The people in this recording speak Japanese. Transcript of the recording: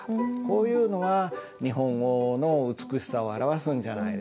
こういうのは日本語の美しさを表すんじゃないでしょうか。